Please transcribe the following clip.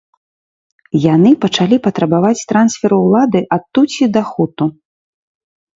Яны пачалі патрабаваць трансферу ўлады ад тутсі да хуту.